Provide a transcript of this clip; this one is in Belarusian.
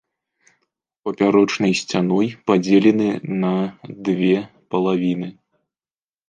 Папярочнай сцяной падзелены на две палавіны.